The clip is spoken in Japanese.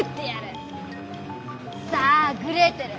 さぁグレーテル